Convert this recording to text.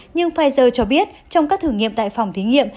nhưng pfizer cho biết trong các thử nghiệm tại phòng thí nghiệm